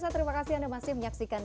terima kasih anda kerana menonton